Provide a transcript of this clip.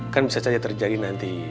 kan bisa saja terjadi nanti